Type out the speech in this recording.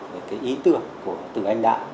về cái ý tưởng của từ anh đại